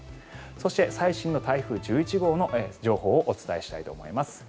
そして、最新の台風１１号の情報をお伝えします。